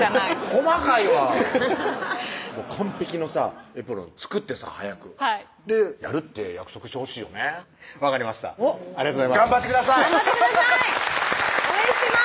細かいわ完璧のさエプロン作ってさ早くやるって約束してほしいよね分かりましたありがとうございます頑張ってください頑張ってください応援してます